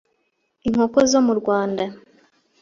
inkoko zo mu Rwanda